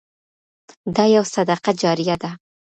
دا يو صدقه جاريه ده.